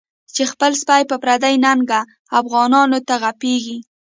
چی خپل سپی په پردی ننگه، افغانانوته غپیږی